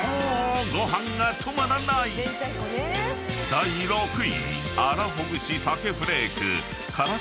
［第６位］